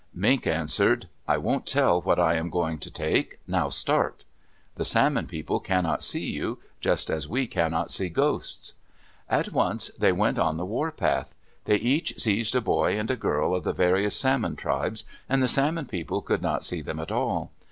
Mink answered, "I won't tell what I am going to take! Now start! The Salmon People cannot see you, just as we cannot see ghosts." At once they went on the warpath. They each seized a boy and a girl of the various Salmon tribes, and the Salmon People could not see them at all.